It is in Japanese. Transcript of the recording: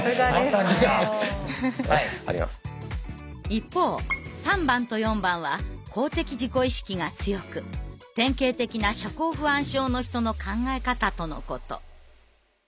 一方３番と４番は公的自己意識が強く典型的な社交不安症の人の考え方とのこと。